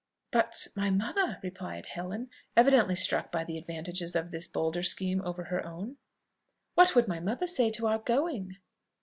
"But my mother?..." replied Helen, evidently struck by the advantages of this bolder scheme over her own, "what would my mother say to our going?"